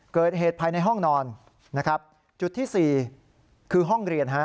เกิดเหตุภายในห้องนอนนะครับจุดที่๔คือห้องเรียนฮะ